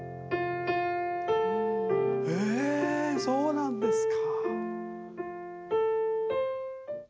へえそうなんですか。